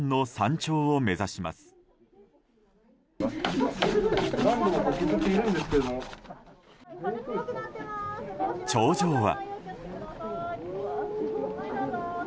頂上は。